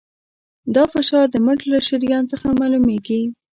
دا فشار د مټ له شریان څخه معلومېږي.